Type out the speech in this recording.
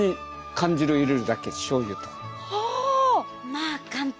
まあ簡単！